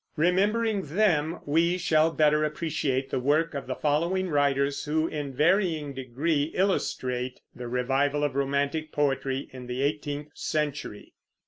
Remembering them, we shall better appreciate the work of the following writers who, in varying degree, illustrate the revival of romantic poetry in the eighteenth century.